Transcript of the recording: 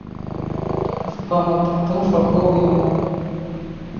Ҡыҫҡа мылтыҡтың шартлауы яман.